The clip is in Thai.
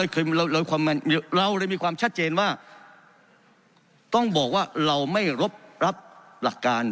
เราเลยมีความชัดเจนว่าต้องบอกว่าเราไม่รบรับหลักการ